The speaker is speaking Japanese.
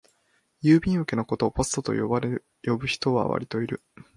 郵便受けのことをポストと呼ぶ人はわりといる